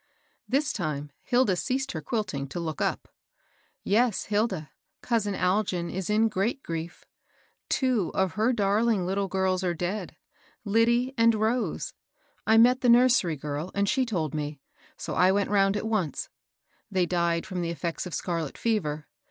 This time, Hilda ceased her quilting to look up. ^'Yes, Hilda, cousin Algin is in great grief. Two of her darling little girls are dead, — Lyd die and Rose. I met the nursery girl, and she told me ; so I went round at once. They died from the effects of scarlet fever.